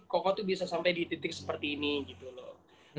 koko itu bisa sampai di titik seperti ini gitu loh